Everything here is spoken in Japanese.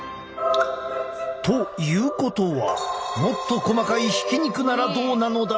ということはもっと細かいひき肉ならどうなのだろうか？